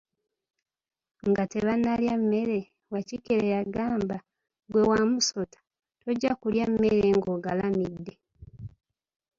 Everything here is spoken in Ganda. Nga tebannalya mmere, Wakikere yagamba, ggwe Wamusota, tojja kulya mmere ng'ogalamidde.